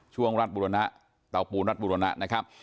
ช่วงรรฑบรรณะเต่าปูนรัฐบรรณะนะครับ